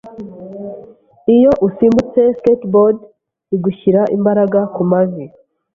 Iyo usimbutse skateboard, igushyira imbaraga kumavi.